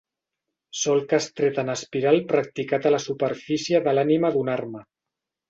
Solc estret en espiral practicat a la superfície de l'ànima d'una arma.